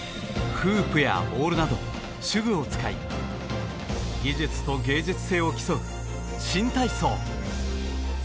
フープやボールなど手具を使い技術と芸術性を競う新体操。